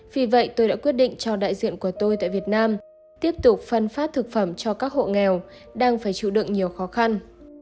vì vậy tôi đã quyết định cho đại diện của tôi tại việt nam tiếp tục phân phát thực phẩm cho các hộ nghèo đang phải chịu đựng nhiều khó khăn